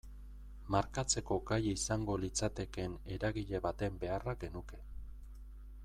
Markatzeko gai izango litzatekeen eragile baten beharra genuke.